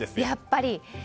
やっぱり！